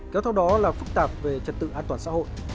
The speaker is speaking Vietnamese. kéo theo đó là phức tạp về trật tự an toàn xã hội